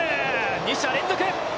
２者連続。